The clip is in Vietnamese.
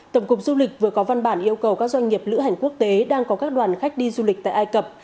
tổng cục du lịch vừa có văn bản yêu cầu các doanh nghiệp lữ hành quốc tế đang có các đoàn khách đi du lịch tại ai cập